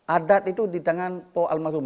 adat itu di tangan al masum